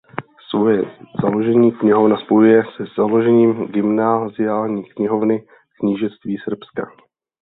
Svoje založení knihovna spojuje se založením gymnaziální knihovny knížectví Srbska.